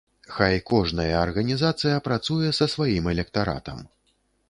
Хай кожная арганізацыя працуе са сваім электаратам.